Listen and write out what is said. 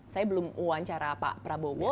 saya belum wawancara pak prabowo